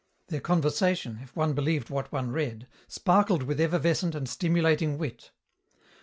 Their conversation, if one believed what one read, sparkled with effervescent and stimulating wit.